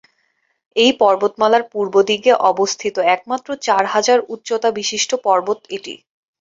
এই পর্বতমালার পূর্বের দিকে অবস্থিত একমাত্র চার হাজার উচ্চতাবিশিষ্ট পর্বত এটি।